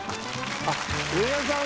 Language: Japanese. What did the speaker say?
植田さん